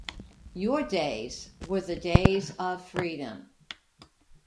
Your days were the days of freedom.